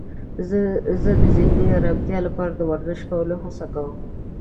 زه د ذهني آرامتیا لپاره د ورزش کولو هڅه کوم.